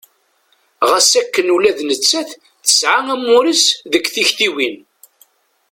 Ɣas akken ula d nettat tesɛa amur-is deg tiktiwin.